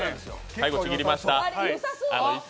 最後ちぎりました。